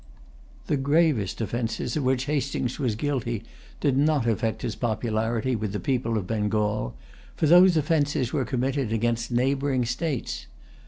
The gravest offences of which Hastings was guilty did not affect his popularity with the people of Bengal; for those offences were committed against neighboring states.